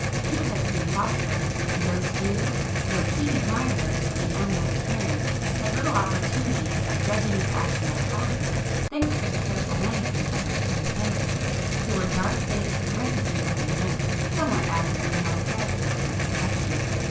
Few had seen 'Phosphor,' and those few, though keen admirers of the animal's appearance, had little opportunity of judging its actual qualities, thanks to the careful management of its two attendants, who were dark faced, reticent looking men, somewhat after Amiel's character and complexion.